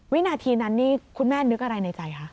วินาทีนั้นนี่คุณแม่นึกอะไรในใจคะ